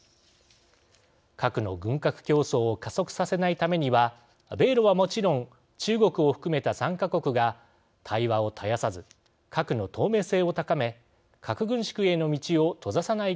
核の軍拡競争を加速させないためには米ロはもちろん中国を含めた３か国が対話を絶やさず核の透明性を高め核軍縮への道を閉ざさない